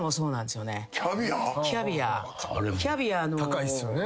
高いっすよね。